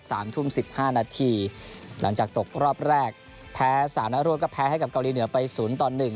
สามทุ่มสิบห้านาทีหลังจากตกรอบแรกแพ้สามนัดรวดก็แพ้ให้กับเกาหลีเหนือไปศูนย์ต่อหนึ่ง